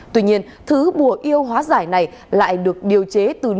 tuy nhiên thứ bùa yêu hóa giải này lại được điều hóa giải bùa yêu cho chồng mình